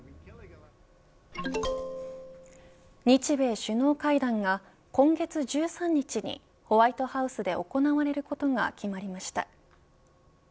日米首脳会談が今月１３日にホワイトハウスで行われることが決まりました。